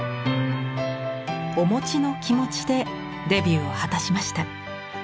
「おもちのきもち」でデビューを果たしました。